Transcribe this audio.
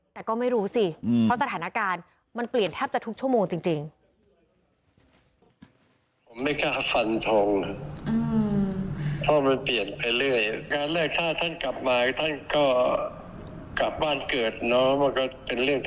แต่ก็ไม่รู้สิเพราะสถานการณ์มันเปลี่ยนแทบจะทุกชั่วโมงจริง